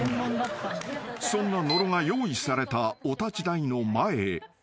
［そんな野呂が用意されたお立ち台の前へ］